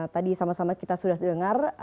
tadi sama sama kita sudah dengar